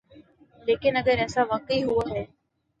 لیکن اگر ایسا واقعی ہوا ہے۔